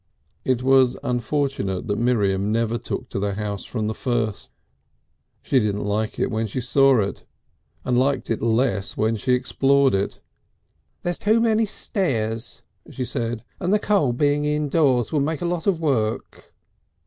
It was unfortunate that Miriam never took to the house from the first. She did not like it when she saw it, and liked it less as she explored it. "There's too many stairs," she said, "and the coal being indoors will make a lot of work."